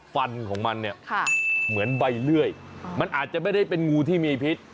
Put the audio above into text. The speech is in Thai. ฟันของมันเนี่ยเหมือนใบเลื่อยมันอาจจะไม่ได้เป็นงูที่มีพิษ